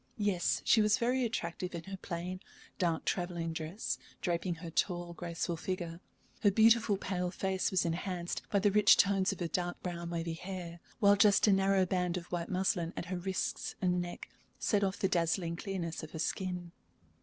Yes, she was very attractive in her plain, dark travelling dress draping her tall, graceful figure; her beautiful, pale face was enhanced by the rich tones of her dark brown, wavy hair, while just a narrow band of white muslin at her wrists and neck set off the dazzling clearness of her skin.